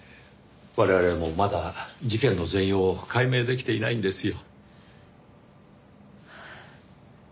我々もまだ事件の全容を解明できていないんですよ。